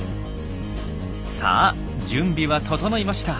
さあ準備は整いました。